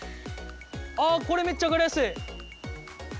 あこれめっちゃ分かりやすい。